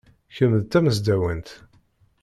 Kemm d tamesdawant.